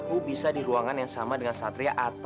atau di ruangan yang beda dengan satria juga gak apa apa